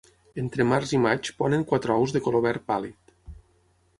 Entre març i maig ponen quatre ous de color verd pàl·lid.